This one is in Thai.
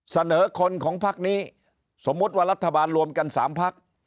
เสนอคนของพักนี้สมมุติว่ารัฐบาลรวมกัน๓พัก